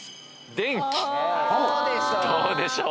どうでしょう？